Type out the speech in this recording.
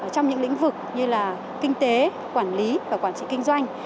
trong những lĩnh vực như là kinh tế quản lý và quản trị kinh doanh